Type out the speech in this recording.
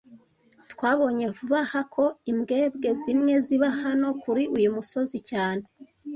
Twabonye vuba aha ko imbwebwe zimwe ziba hano kuri uyu musozi cyane